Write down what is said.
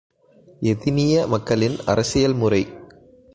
எதினிய மக்களின் அரசியல் முறை.